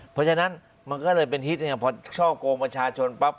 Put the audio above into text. เพราะฉะนั้นมันก็เลยเป็นฮิตไงพอช่อกงประชาชนปั๊บ